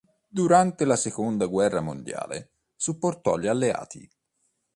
Durante la seconda guerra mondiale, supportò gli Alleati.